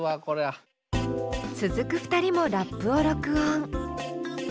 続く２人もラップを録音。